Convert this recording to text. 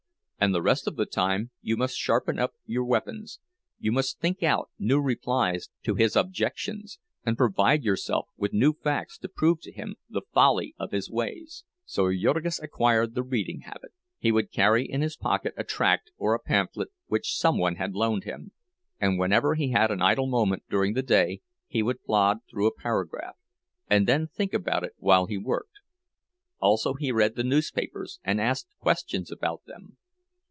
And the rest of the time you must sharpen up your weapons—you must think out new replies to his objections, and provide yourself with new facts to prove to him the folly of his ways. So Jurgis acquired the reading habit. He would carry in his pocket a tract or a pamphlet which some one had loaned him, and whenever he had an idle moment during the day he would plod through a paragraph, and then think about it while he worked. Also he read the newspapers, and asked questions about them.